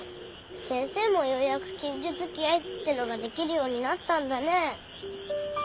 先生もようやく近所付き合いってのができるようになったんだねぇ。